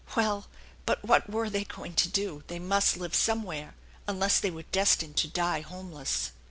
Well, but what were they going to do? They must live somewhere, unless they were destined to die homeless.